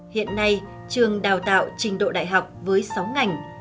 hiện nay trường đào tạo trình độ đại học với sáu ngành